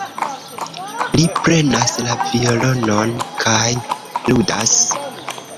Li prenas la violonon kaj ludas.